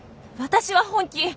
私は本気！